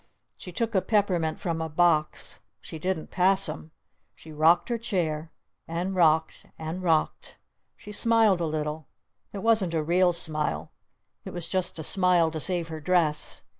She took a peppermint from a box. She didn't pass 'em. She rocked her chair. And rocked. And rocked. She smiled a little. It wasn't a real smile. It was just a smile to save her dress.